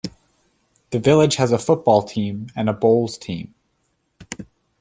The village has a football team and a bowls team.